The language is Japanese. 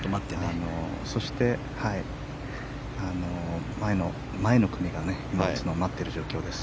そして、前の前の組が打つのを待っている状況です。